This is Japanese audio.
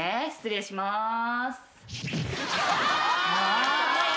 失礼します。